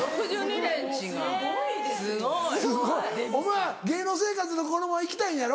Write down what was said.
すごい！お前芸能生活このまま行きたいんやろ？